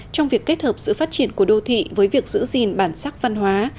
trong việc kết hợp sự phát triển của đô thị với việc giữ gìn bản sắc văn hóa